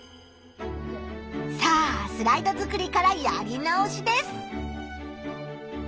さあスライド作りからやり直しです。